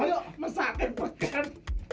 ayo masaknya beken